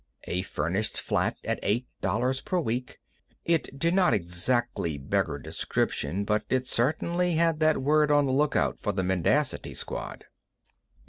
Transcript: A furnished flat at $8 per week. It did not exactly beggar description, but it certainly had that word on the lookout for the mendicancy squad.